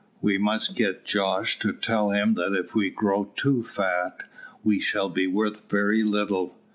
We must get Jos to tell him that if we grow too fat we shall be worth very little.